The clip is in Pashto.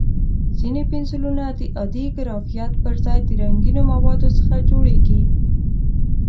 ځینې پنسلونه د عادي ګرافیت پر ځای د رنګینو موادو څخه جوړېږي.